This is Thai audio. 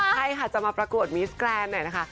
ใช่ค่ะจะมาประกวดมิสแกรนด์หน่อยนะคะ